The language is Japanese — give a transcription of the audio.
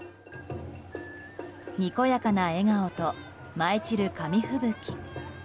にこやかな笑顔と舞い散る紙吹雪。